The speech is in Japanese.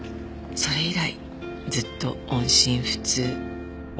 それ以来ずっと音信不通。